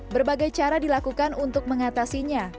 berbagai cara dilakukan untuk mengatasinya